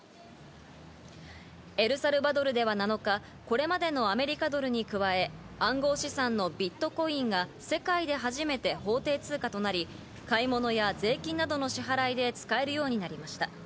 エルサルバドルでは７日、これまでのアメリカドルに加え、暗号資産のビットコインが世界で初めて法定通貨となり、買い物や税金などの支払いで使えるようになりました。